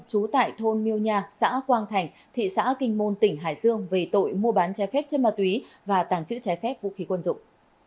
trú tại thôn miêu nha xã quang thành thị xã kinh môn tỉnh hải dương về tội mua bán trái phép chất ma túy và tàng trữ trái phép vũ khí quân dụng